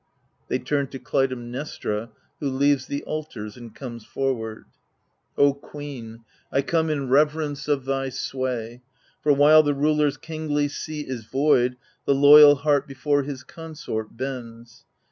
\They turn to Clytemnestra^ who leaves the altars and comes forward, O queen, I come in reverence of thy sway — For, while the ruler's kingly seat is void, The loyal heart before his consort bends.